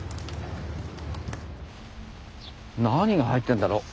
何が入ってんだろう？